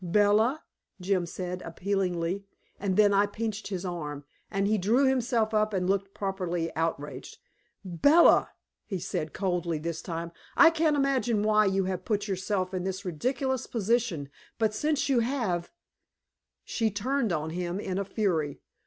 "Bella," Jim said appealingly. And then I pinched his arm, and he drew himself up and looked properly outraged. "Bella," he said, coldly this time, "I can't imagine why you have put yourself in this ridiculous position, but since you have " She turned on him in a fury.